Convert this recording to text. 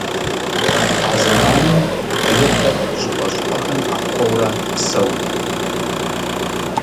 А зэманым адыгэхэр щӀыпӀэ-щӀыпӀэхэм Ӏэпхъуэурэ псэут.